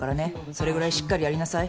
それぐらいしっかりやりなさい。